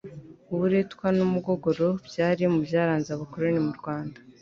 uburetwa n'umugogoro byari mu byaranze abakoroni m'urwanda